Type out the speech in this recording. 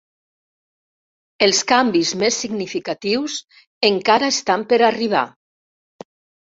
Els canvis més significatius encara estan per arribar.